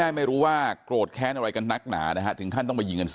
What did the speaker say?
อายุ๑๐ปีนะฮะเขาบอกว่าเขาก็เห็นถูกยิงนะครับ